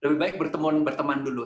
lebih baik berteman berteman dulu